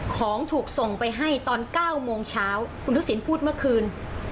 ของถูกส่งไปให้ตอน๙โมงเช้าคุณทักษิณพูดเมื่อคืน